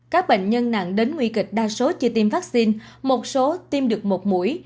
các bệnh nhân nặng đến nguy kịch đa số chưa tiêm vaccine một số tiêm được một mũi